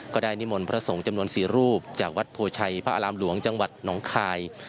นิมนต์พระสงฆ์จำนวน๔รูปจากวัดโพชัยพระอารามหลวงจังหวัดหนองคาย